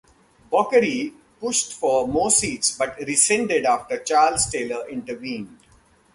Bockarie pushed for more seats but rescinded after Charles Taylor intervened.